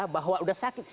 bahwa sudah sakit